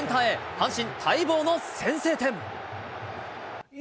阪神、待望の先制点。